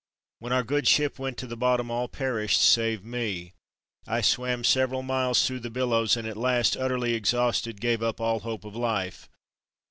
When our good ship went to the bottom, all perished save me. I swam several miles through the billows, and at last utterly exhausted, gave up all hope of life.